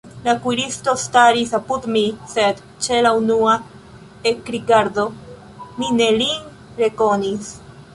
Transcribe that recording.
La kuiristo staris apud mi, sed ĉe la unua ekrigardo mi ne lin rekonis.